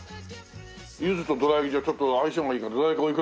柚子とどら焼きじゃあちょっと相性がいいか。